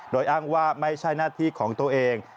โดยอ้างว่าไม่ใช่หน้าที่ของตัวเอง